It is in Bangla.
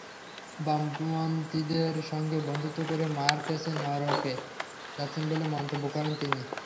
বামন্থীদের সঙ্গে বন্ধুত্ব করে মার্কেস নরকে যাচ্ছেন বলে মন্তব্য করেন তিনি।